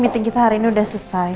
meeting kita hari ini sudah selesai